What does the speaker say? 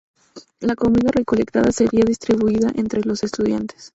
La comida recolectada sería distribuida entre los estudiantes.